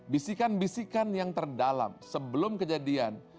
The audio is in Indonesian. bisikan bisikan yang terdalam sebelum kejadian